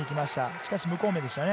しかし無効面でしたね。